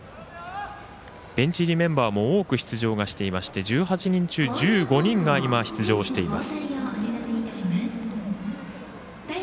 ベンチ入りメンバーも多く出場はしていまして１８人中１５人が今、出場しています。